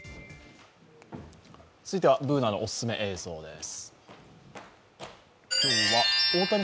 続いては「Ｂｏｏｎａのおすすめ」映像です。